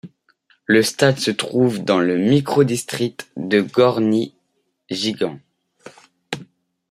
Le stade se trouve dans le micro-district de Gorny Gigant.